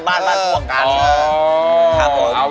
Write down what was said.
บ้านร้านต่ออาการ